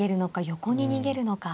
横に逃げるのか。